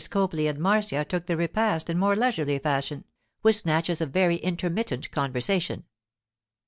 Copley and Marcia took the repast in more leisurely fashion, with snatches of very intermittent conversation.